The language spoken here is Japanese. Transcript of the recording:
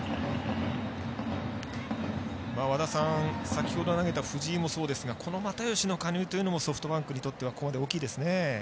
先ほど投げた藤井もそうですがこの又吉の加入というのもソフトバンクにとってはここまで大きいですね。